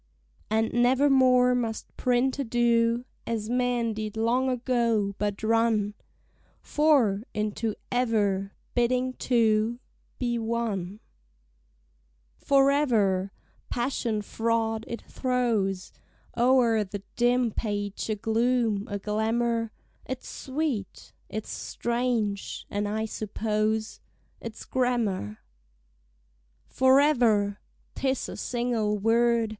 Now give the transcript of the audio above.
And nevermore must printer do As men did long ago; but run "For" into "ever," bidding two Be one. Forever! passion fraught, it throws O'er the dim page a gloom, a glamour: It's sweet, it's strange; and I suppose It's grammar. Forever! 'Tis a single word!